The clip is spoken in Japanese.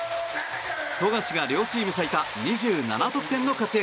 富樫が両チーム最多２７得点の活躍。